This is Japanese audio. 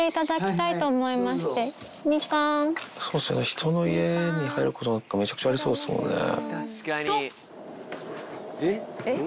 人の家に入ることなんかめちゃくちゃありそうっすもんね。と。